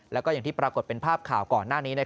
แล้วก็อย่างที่ปรากฏเป็นภาพข่าวก่อนหน้านี้